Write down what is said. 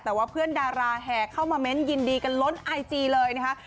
แต่ว่าเพื่อนดาราแห่เข้ามาเม้นต์ยินดีกันล้นไอจีเลยนะคะ